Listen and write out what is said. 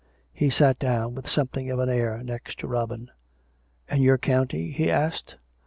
He sat down with something of an air next to Robin. "And your county ?" he asked.